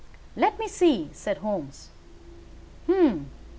"Let me see!" said Holmes. "Hum!